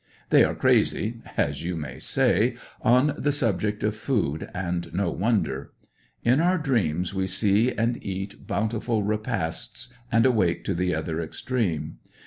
They are crazy (as you may say) 68 ANDERSONVILLE DIABY. on the subject of food, and no wonder. In our dreams we see and eat bountiful repasts, and awake to the other extreme.